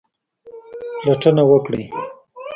پلټنه وکړئ